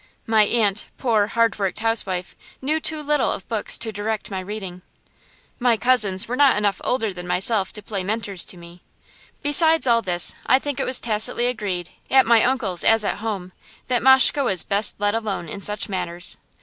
My aunt, poor hard worked housewife, knew too little of books to direct my reading. My cousins were not enough older than myself to play mentors to me. Besides all this, I think it was tacitly agreed, at my uncle's as at home, that Mashke was best let alone in such matters.